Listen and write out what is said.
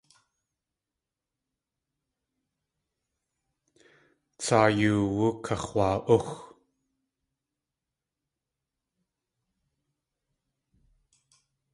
Tsaa yoowú kax̲waa.úx.